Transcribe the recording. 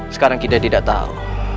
sekarang kita tidak tahu